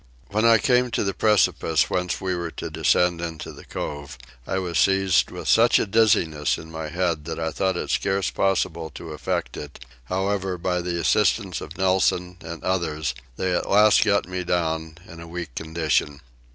When I came to the precipice whence we were to descend into the cove I was seized with such a dizziness in my head that I thought it scarce possible to effect it: however by the assistance of Nelson and others they at last got me down, in a weak condition.